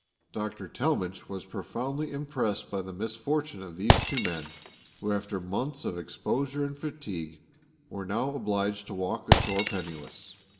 Dr. Talmage was profoundly impressed by the misfortune of these two men, who after months of exposure and fatigue were now obliged to walk ashore penniless.